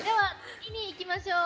次にいきましょう。